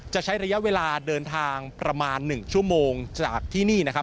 จะใช้ระยะเวลาเดินทางประมาณ๑ชั่วโมงจากที่นี่นะครับ